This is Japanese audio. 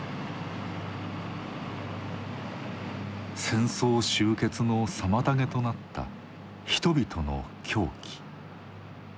戦争終結の妨げとなった「人々の狂気」。